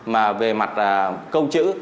mà về mặt câu chữ